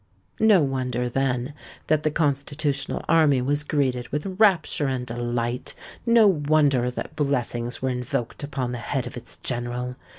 No wonder, then, that the Constitutional Army was greeted with rapture and delight;—no wonder that blessings were invoked upon the head of its General!